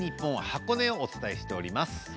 箱根をお伝えしております。